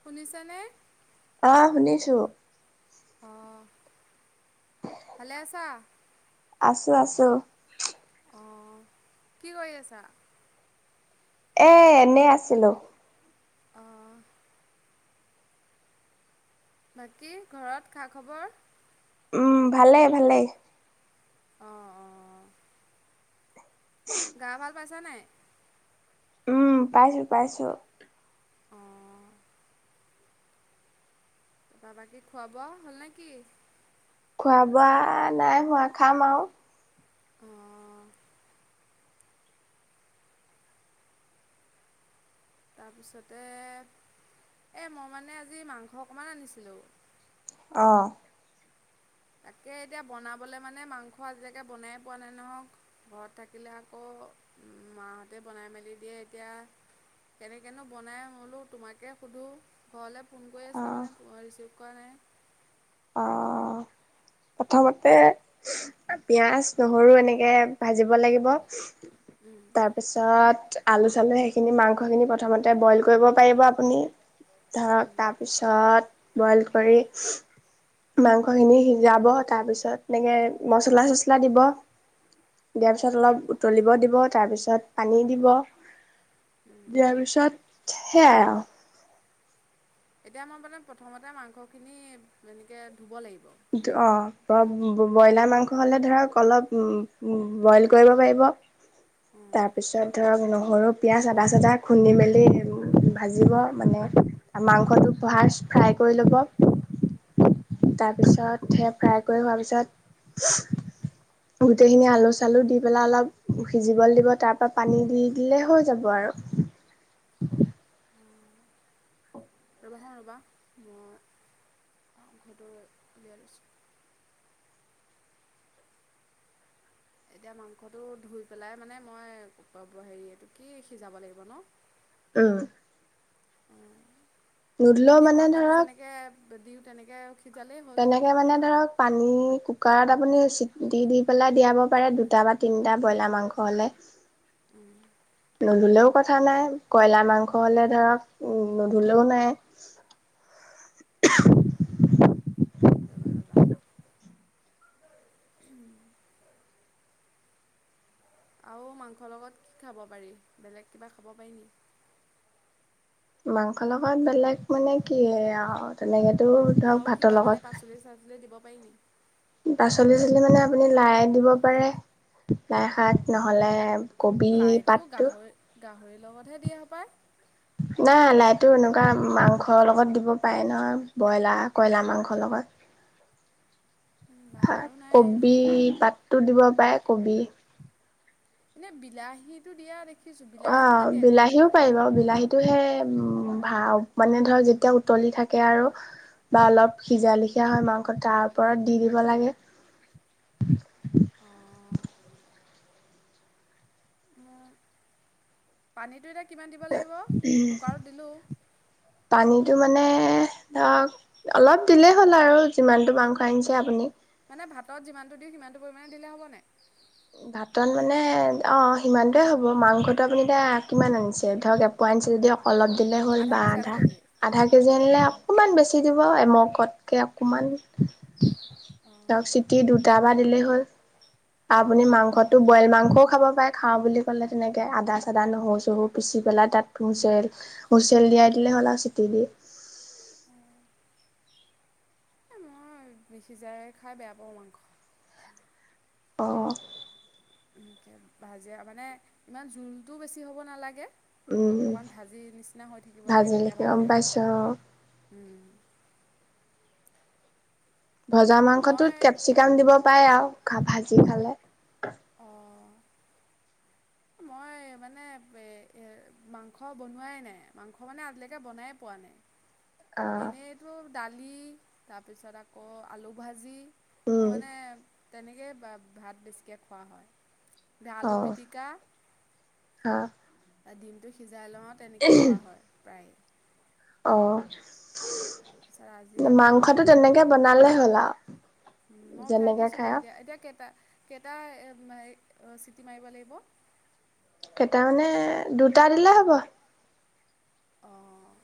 শুনিছা নে অহ শুনিছো অহ ভালে আছা আছো আছো অঁ কি কৰি আছা এ এনে আছিলো অহ বাকী ঘৰত খা খবৰ উম ভালে ভালে অ অ গা ভাল পাইছা নাই উম পাইছো পাইছো অ [unintelligible] বা বাকি খুৱা হ'ল নে কি খোৱা বোৱা নাই হোৱা খাম আৰু অ তাৰপিছতে এই মই মানে আজি মাংস অকণমান আনিছিলোঁ অ তাকে এতিয়া বনাবলৈ মানে মাংস আজিলৈকে বনাই পোৱা নাই নহওঁঘৰত থাকিলে আকৌ মাহতে বনাই মেলি দিয়ে এতিয়া কেনেকেনো বনাই বোলো তোমাকে সুধো ঘৰলৈ ফোন কৰি অ আছিলে মানে ফোন ৰিচিভ কৰা নাই অ প্ৰথমতে পিয়াজ নহৰু এনেকে ভাজিব লাগিব উম তাৰপিছত আলু চালু সেইখিনি মাংসখিনি প্ৰথমতে ব্ৰইল কৰিব পাৰিবা তুমি ধৰক উম তাৰপিছত ব্ৰইল কৰি মাংসখিনি সিজাব তাৰপিছত এনেকে মচলা চচলা দিব দিয়াৰ পিছত অলপ উতলিব দিব তাৰপিছত পানী দিব উম দিয়াৰ পিছত সেয়াই আৰু এতিয়া মই মানে প্ৰথমতে মাংসখিনি এনেকে ধুব লাগিব অ ব্ৰইলাৰ মাংস হলে ধৰক অলপ ব্ৰইল কৰিব পাৰিব উম, তাৰপিছত ধৰক ন সৰু পিঁয়াজ আদা চাদা খুন্দি মেলি ভাজিব মানে মাংসটো ফাৰ্ষ্ট ফ্ৰাই কৰি ল'ব তাৰপিছত সে ফ্ৰাই কৰি হোৱাৰ পিছত গোটেইখিনি আলু চালু দি পেলাই অলপ সিজিবলৈ দিব তাৰ পৰা পানী দি দিলে হৈ যাব আৰু ৰবা চোন ৰবা মই ঘৰটো উলিয়াই লৈছোঁ এতিয়া মাংসটো ধুই পেলাই মানে মই হেৰি এইটো কি সিজাব লাগিব ন উ উম এনেই মানে ভাত আমি ধৰক যেনেকে দিওঁ তেনেকে তেনেকে মানে ধৰক পানী কুকাৰত আপুনি চি দি দি পেলাই দিয়াব পাৰে দুটা বা তিনিটা ব্ৰইলাৰ মাংস হ'লে উম নুধুলেও কথা নাই কইলা মাংস হ'লে ধৰক নুধুলেও নাই ৰ'বা ৰ'বা আৰু মাংসৰ লগত কি খাব পাৰি বেলেগ কিবা খাব পাৰি নি মাংস লগত বেলেগ মানে কি আৰু তেনেকে আও কিবা মানে পাচলি চাচলি দিব পাইনি পাচলি চাচলি মানে আপুনি লাই দিব পাৰে লাই শাক নহ'লে কবি লাইটো পাতটো গাহৰি গাহৰিৰ লগতহে দিয়া হপায় নাই লাইটো এনেকুৱা মাংসৰ লগত দিব পাৰে নহয় ব্ৰইলাৰ কয়লাৰ মাংসৰ লগত লাই বাৰু নাই। কবি পাতটো দিব পায় কবি এনে বিলাহীতটো দিয়া দেখি অ বিলাহীও পাৰিব বিলাহীটোহে উ ভা মানে ধৰ যেতিয়া উতলি থাকে আৰু বা অলপ সিজা লিখিয়া হয় মাংস তাৰ ওপৰত দি দিব লাগে পানীটো এনে উ পানীটো মানে ধৰক অলপ দিলেই হ'ল আৰু যিমানটো মাংস আনিছে আপুনি মানে ভাতত যিমানটো দিওঁ সিমানটো পৰিমাণে দিলে হ'ব নাই ভাতত মানে অ', সিমানটোৱে হ'ব মাংসটো আপুনি এতিয়া কিমান আনিছে ধৰক এপোৱা আনিছে যদি অ', অলপ দিলে হ'ল বা আধা -আধা কেজি আনিলে অকমান বেছি দিব এমকতকে অকমান এ ধক চিটি দুটা ভবা দিলেই হ'ল। আপুনি মাংসটো বইল মাংস খাব পাৰে খাওঁ বুলি ক'লে তেনেকৈ আদা চদা নহৰু চহৰু পিচি পেলাই তাত হুইচেল- হুইচেল দিয়াই দিলে হ'ল আৰু চিটি দি। এ মই সিজাই খাই বেয়া পাওঁ মাংস। অ', এনেকে ভাজে মানে ইমান জোলটোও বেছি হ'ব নালাগে। উম অকণমান ভাজি নিচিনা হৈ থাকিব লাগে ভাজিলে তেতিয়া ভাল গম লাগে। পাইছো ভজা মাংসটোত কেপচিকাম দিব পাৰে আৰু কা ভাজি খালে। অঁ', মই মানে মাংস বনোৱাই নাই মাংস মানে আজিলৈকে বনাই পোৱা নাই। অ এনেইতো দালি তাৰপিছত আকৌ আলু ভাজি মোৰ উম মানে তেনেকেই ভাত বেছিকৈ খোৱা হয়। অ আলু পিটিকা। হা', দিনটো সিজ জাইলঙত তেনেকৈয় খোৱা হয় প্ৰায়। অঁ', তাৰপাচত আজি আকৌ বোলো মাংস খাও, বনালে হ'ল আৰু আৰু মই উঠাই যেনেকে দিছো খাই বাৰু আৰু এতিয়া- এতিয়া কেইটা কেইটা অ ', হে মানে চিটি মাৰিব লাগিব? কেইটামানে দুটা দিলে হ'ব। অঁ',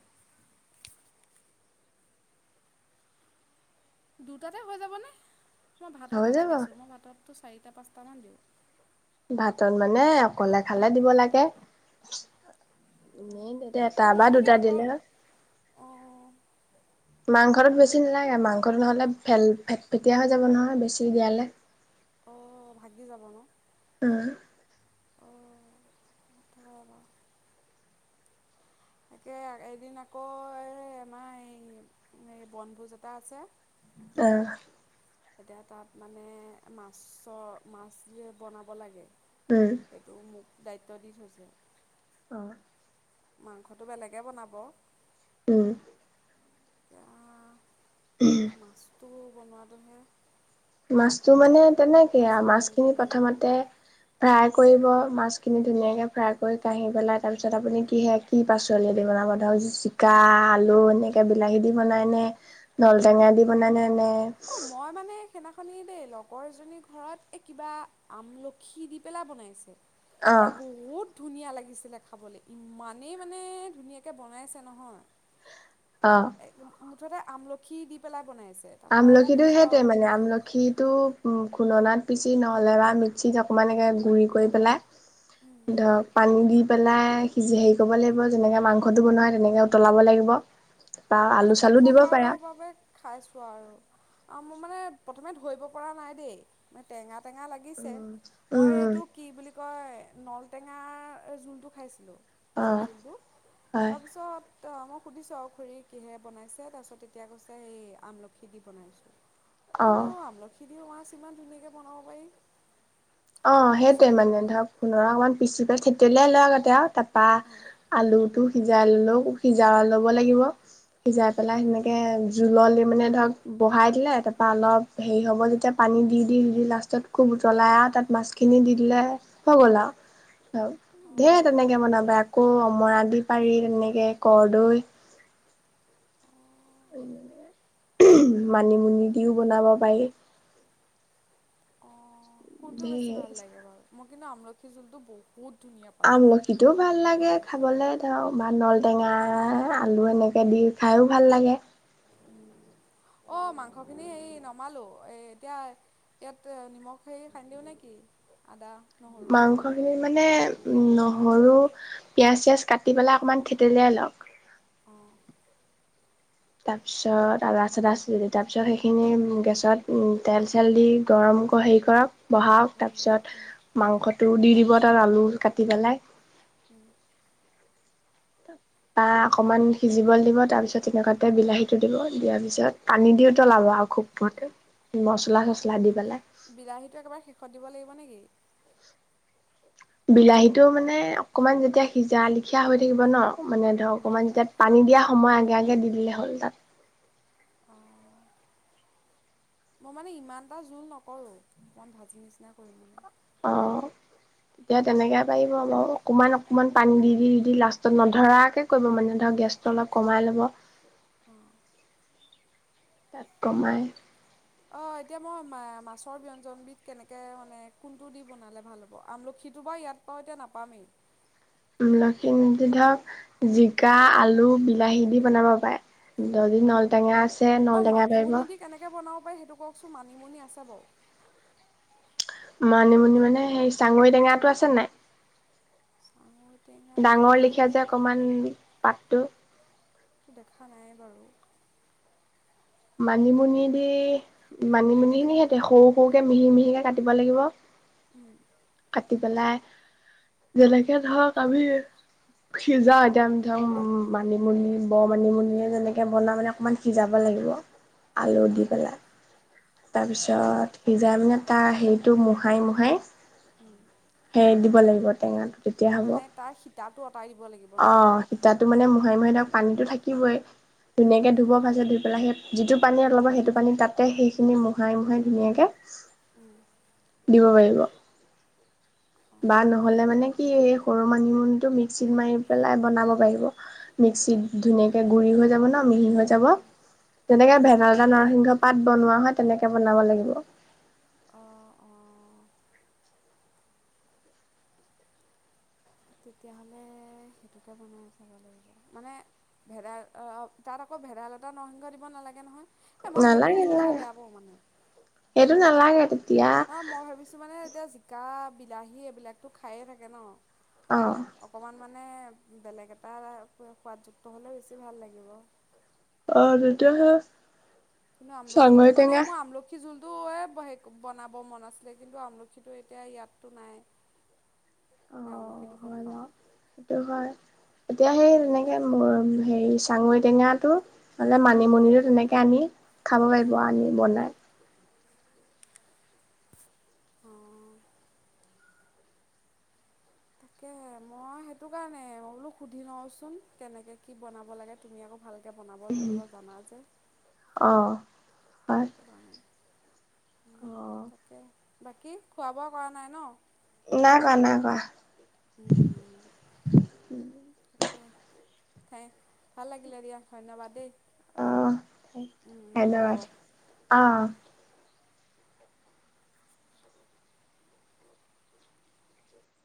দুটাতে হৈ যাবনে? মই ভাততে হৈ যাব লাগিছোঁ মই ভাতত। টো চাৰিটা পাঁচটামান দিওঁ। ভাতত মানে অকলে খালে দিব লাগে। এ', ন এটা বা মইতো এতিয়া দুটা অকল দিলে হল, অঁ মাংসত বেছি নালাগে মাংসটো নহ'লে ফেটফেটিয়া হৈ যাব নহয় বেছি দিয়ালে। অ', ভাগি যাব ন। ওহ', [inaudible] তাকে এদিন আকৌ এই আমাৰ এই- এই বনভোজ এটা আছে। আহ', এতিয়া তাত মানে মাছৰ -মাছ বনাব লাগে। উম। সেইটো মোক দায়িত্ব দি থৈছে। অ। মাংসটো বেলেগে বনাব। উম। [inaudible] মাছটো বনোৱাটোহে। মাছতটো মানে তেনেকে আৰু মাছৰ মাছখিনি ব্যঞ্জন নাজানো প্ৰথমতে ফ্ৰাই। কি কৰিব মাছ খিনি ধুনীয়াকে ফ্ৰাই কৰি কাঢ়ি পেলাই তাৰ পিছত আপুনি কি কি পাচলি দি বনাব, ধৰক জিকা আলু এনেকে বিলাহী দি বনাই নে নলটেঙা দি বনাই নে ন অ মই মানে। সেইদিনাখনি দেই লগৰজনী ঘৰত কিবা আমলখি দি পেলাই বনাইছে। এ অ', বহুত ধুনীয়া লাগিছিলে খাবলে, ইমানেই মানে ধুনীয়াকৈ বনাইছে নহয়। অ মুঠতে আমলখি দি পেলাই বনাইছে। তাৰপৰা মই আমলখিটো সুধিলোঁ সেইটো আৰু মানে খুৰীক আমলখিটো উ খুনদনাত। পিচি নহ'লে বা মিক্সিত অকণমানকৈ গুড়ি কৰি পেলাই। ধৰক পানী দি। পেলাই সিজি হেৰি কৰিব লাগিব যেনেকে মাংসটো বনাই তেনেকে উতলাব লাগিব। বা মানে আলু চালু দিব পাৰা প্ৰথমবাৰৰ বাবে খাইছোঁ আৰু। অ মোৰ মানে প্ৰথমে ধৰিব পৰা নাই দেই মানে টেঙাত। টেঙা লাগিছে উম মই উম উম এইটো কি বুলি কয়। নলটেঙা জোলটো খাইছিলোঁ। অ মাছৰ জোলটো হয় তাৰপিছত। ত মই সুধিছো অ খুুৰী। কিহে বনাইছে তাৰপিছত তেতিয়া কৈছে এই আমলখি দি বনাইছোঁ। অহ। কি মাছ ইমান ধুনীয়াকৈ বনাব পাৰি। অ এবাৰ সেইটোৱে সুধিছিলোঁ। মানে ধৰক খোণৰা অকমান পিচি। থেতেলিয়াই লোৱা গোটে তাত। বা অ আলুটো সিজাই ললো সিজাই অলপ। লাগিব। সিজাই উম পেলাই সেনেকে। জোলল দি মানে ধৰক বহাই দিলে তাৰপৰা অলপ হেৰি হ'ব যেতিয়া পানী দি দি দি লাষ্টত খুব উতলাই আৰু তাত। মাছখিনি দি দিলে হৈ গ'ল আৰু অ ধেৰ তেনেকে বনাবা আকৌ অমৰা দি পাৰি তেনেকে কৰদৈ। অ মানিমুনি দিও বনাব পাৰি। অঁ কোনটো বেছি ভাল ধেৰ লাগে বাৰু মোক। কিন্তু আমলখি জোল টো বহু। আমলখিটোও ভাল লাগে খাবলে ধৰ বা নল টেঙা আলু এনেকে দি খাইও ভাল লাগে। উ অ মাংহখিনি হে নমালো এ এতিয়া ইয়াত নিমখ হেৰি সানি দিও নেকি আদা। নহৰু মাংস খিনিত মানে উম নহৰু - পিয়াঁজ চিয়াজ কাটি পেলাই অকণমান থেতেলিয়াই লওক। অঁ তাৰপিছত আৰু আচডচ তাৰপিছত সেইখিনি গেছত তেল চেল দি গৰম হেৰি কৰক। বহাওক উম, তাৰপিছত উম, মাংসটো দি দিব। আৰু আলু কাটি পেলাই। উম। তা অকমান সিজিবলৈ দিব তাৰ পিছত তেনেকুৱাতে বিলাহীতটো দিব দিয়াৰ পিছত পানী দি উতলাব আৰু খুববৰতে মচলা চচলা দি পেলাই। বিলাহীটো একেবাৰে শেষত দিব লাগিব নেকি? বিলাহীতটো মানে অকমান যেতিয়া সিজা লিখিয়া হৈ থাকিব ন - মানে ধৰক উম, অকণমান যেতিয়া পানী দিয়া - সময় আগে আগে দি দিলে হ'ল তাত। অঁ মই মানে ইমান এটা জোল নকৰো অমান ভাজি নিচিনা কৰিম মানে। অ তেতিয়া তেনেকে পাৰিব বলাৰ অকমান অকমান পানী দি দি দি দি লাষ্টত নধৰাকে কৰিব মানে ধৰক গেছটো অলপ কমাই ল'ব। অ কমাই অ এতিয়া মই মাছৰ ব্যঞ্জনবিধ কেনেকে মানে কোনটো দি বনালে ভাল হ'ব আমলখিটো বাৰু ইয়াত পাওঁ এতিয়া নাপামেই। লখি ধৰক জিকা আলু বিলাহী দি বনাব পাৰে যদি নলটেঙা অ নলটেঙা পাৰিব মানিমুনি দি কেনেকে বনাও? সেইটো কওকচোন, মানিমুনি আছে বাৰু। মানিমুনি মানে সেই চাঙৰিটেঙাটো আছে নাই? চাঙৈ ডাঙৰ লিখা যে টেঙাটোতো অকমান পাত। টো দেখা নাই বাৰু। মানিমুনি দি মানিমুনি খিনি সিহতে সৰু সৰুকে মিহি মিহিকে কাটিব লাগিব। উম কাটি পেলাই যেনেকে ধৰক আমি সিজাও এতিয়া আমি ধৰক মানিমুনি ব মানিমুনি যেনেকে বনাওঁ মানে অকমান সিজাব লাগিব আলু দি পেলাই তাৰপিছত সিজাই মানে তাৰ হেৰিটো মোহাই মোহাই উম সেই দিব লাগিব টেঙাটো। মানে তাৰ শি তাতো অ সীতাতো মানে হয় মই তক পানীতো থাকিবই। উম ধুনীয়াকে ধুব ভাজে ধুই পেলাই সেই যিটো পানীল'ব সেইটো পানী তাতে সেইখিনি মোহাই মোহাই ধুনীয়াকে উম দিব পাৰিব। অ বা নহলে মানে কি এই সৰু মানিমুনিটো মিক্সিত মাৰি পেলাই বনাব পাৰিব মিক্সিত ধুনীয়াকে গুৰি হৈ যাব ন মিহি হৈ যাব তেনেকে ভেদাইালতা নৰসিংহ পাত বনোৱা হয় তেনেকে বনাব লাগিব। অ অ তেতিয়াহ'লে সেইটোকে বনাই চাব লাগিব, মানে ভেদাই তাত আকৌ ভেদাই ভেদাইলতা নৰসিংহ দিব নালাগে নহয়? এই মই সেইটো নালাগে জোল খাই নালাগে বেয়া পাওঁ মানে সেইটো নালাগে। তেতিয়া অ মই ভাবিছো মানে। এতিয়া জিকা বিলাহী এইবিলাকতো খায়ে থাকে ন। অহ। অকণমান মানে বেলেগ এটা সোৱাদযুক্ত হ'লে বেছি ভাল লাগিব। অ তেতিয়াহলে কিন্তু আমলখিটো মানে মই আমলখি জুল টোৱে বনাব মন আছিলে কিন্তু আমলখিটো এতিয়া ইয়াততো নাই। অ আমলখিটো ক'ত হৈ পাম যাও সেইটো হয় এতিয়া সেই তেনেকে মোৰ হেৰি চঙৰি টেঙাটো মানে উম মানিমুনি তেনেকে আনি খাব পাৰিব আনি বনাই। উম। তাকে মই সেইটো কাৰণে বোলো সুধি লওচোন কেনেকে কি বনাব লাগে তুমি আকৌ ভালকে বনাব মেলিব জানা যে। আহঁ হয়। উম অ তাকে। বাকী খোৱা বোৱা কৰা নাই ন। নাই কোৱা নাই কোৱা। হ ভাল লাগিলে দিয়া ধন্যবাদ দেই। অ উম, হ'ব ধন্যবাদ অ। উম।